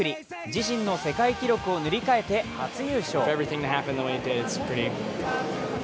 自身の世界記録を塗り替えて初優勝。